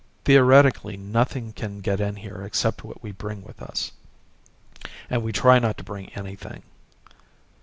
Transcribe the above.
"Theoretically nothing can get in here except what we bring with us. And we try not to bring anything."